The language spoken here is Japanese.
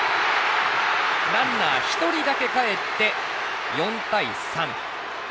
ランナー１人だけかえって４対３。